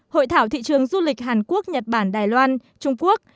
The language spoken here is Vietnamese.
hội thảo thị trường du lịch hàn quốc nhật bản đài loan trung quốc